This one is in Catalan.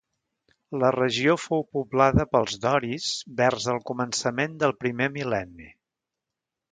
La regió fou poblada pels doris vers al començament del primer mil·lenni.